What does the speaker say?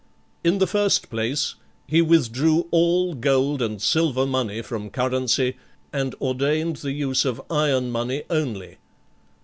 In the first place, he withdrew all gold and silver money from currency, and ordained the use of iron money only.